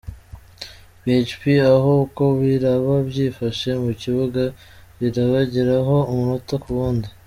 php aho uko biraba byifashe mu kibuga birabageraho umunota ku wundi.